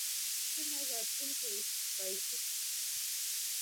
He majored in Creative Writing.